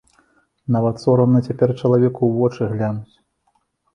Нават сорамна цяпер чалавеку ў вочы глянуць.